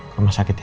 rumah sakit ya